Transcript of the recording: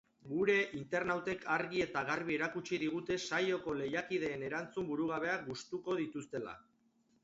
Gure internautek argi eta garbi erakutsi digute saioko lehiakideen erantzun burugabeak gustuko dituztela.